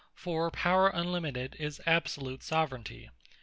For Power Unlimited, is absolute Soveraignty.